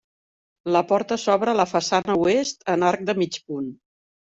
La porta s'obre a la façana oest en arc de mig punt.